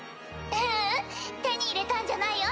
ううん手に入れたんじゃないよ